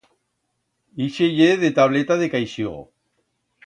Ixe ye de tableta de caixigo.